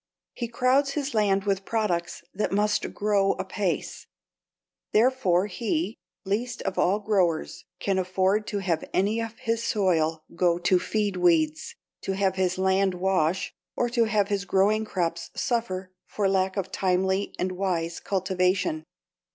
He crowds his land with products that must grow apace. Therefore he, least of all growers, can afford to have any of his soil go to feed weeds, to have his land wash, or to have his growing crops suffer for lack of timely and wise cultivation.